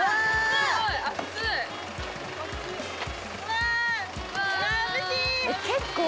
うわ！